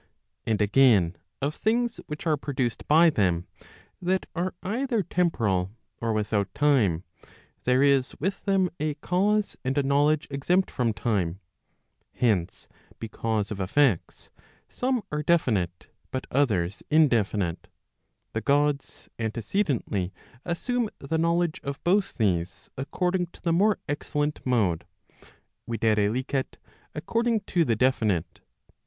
And again, of things which are produced by them, that are either temporal or without time,, there is with them a cause and a knowledge exempt from timei Hence because of effects some are definite, but others indefinite, the Gods; antecedently assume the knowledge of both these according to the more excellent mode, viz. according to the definite.